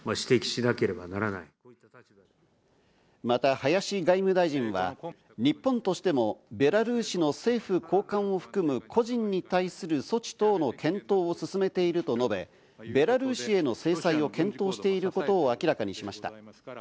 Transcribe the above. また林外務大臣は日本としてもベラルーシの政府高官を含む個人に対する措置等の検討を進めていると述べ、ベラルーシへの制裁を検討していることを明らかにしました。